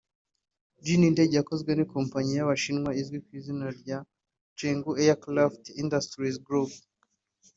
J- ni indege yakozwe na Ikompanyi y’Abashinwa izwi ku izina rya Chengdu Aircraft Industries Group